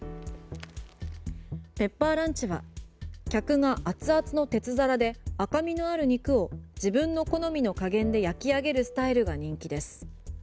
ペッパーランチは客が熱々の鉄皿で赤みのある肉を自分の好みの加減で焼き上げるスタイルが人気です。